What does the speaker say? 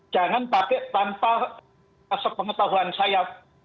jangan pakai tanpa sepengetahuan saya